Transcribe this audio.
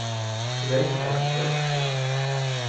Today he hold the coach position.